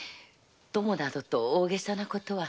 供などと大げさなことは。